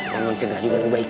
dan mencegah juga lebih baik